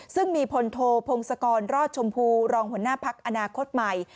ซึ่งมีพลโทพงศกรรอดชมพูรองหัวหน้าพักอนาคตใหม่